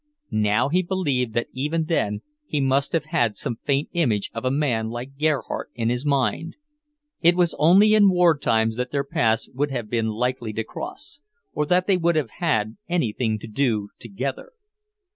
Now he believed that even then he must have had some faint image of a man like Gerhardt in his mind. It was only in war times that their paths would have been likely to cross; or that they would have had anything to do together...